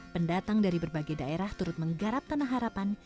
pendatang dari berbagai daerah turut menggarap tanah harapan